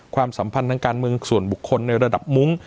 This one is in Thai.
ความสัมพันธ์ทางการเมืองส่วนบุคคลในระดับมุ้ง